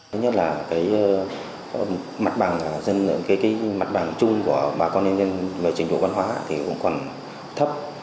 thứ nhất là cái mặt bằng dân cái mặt bằng chung của bà con nhân dân về trình độ văn hóa thì cũng còn thấp